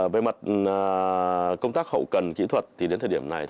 về mặt công tác hậu cần kỹ thuật thì đến thời điểm này